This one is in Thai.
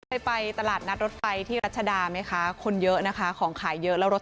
ไปตลาดนัดรถไฟที่รัชดาไหมคะคนเยอะนะคะของขายเยอะแล้วรถ